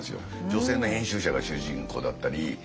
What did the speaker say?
女性の編集者が主人公だったり。